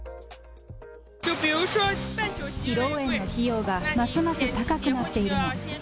披露宴の費用がますます高くなっているの。